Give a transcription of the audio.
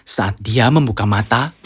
saat dia membuka mata